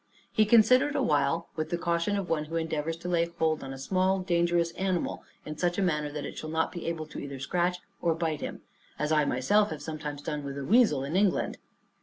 He considered awhile, with the caution of one who endeavors to lay hold on a small dangerous animal in such a manner that it shall not be able either to scratch or bite him, as I myself have sometimes done with a weasel in England.